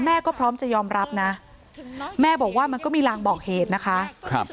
พร้อมจะยอมรับนะแม่บอกว่ามันก็มีลางบอกเหตุนะคะครับ